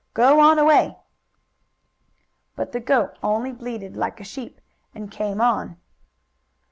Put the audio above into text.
Go on away!" But the goat only bleated, like a sheep, and came on.